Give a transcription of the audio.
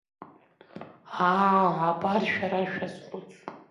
Аа, абар шәара шәазхәыц.